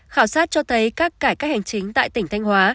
khảo sát cho thấy các cải cách hành chính tại tỉnh thanh hóa